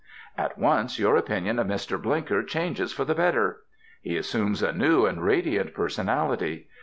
At once your opinion of Mr. Blinker changes for the better. He assumes a new and radiant person ality.